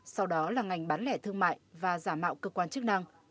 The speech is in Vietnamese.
sau đó là ngành bán lẻ thương mại và giả mạo cơ quan chức năng